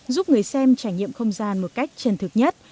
giúp người xem trải nghiệm không gian một cách chân thực nhất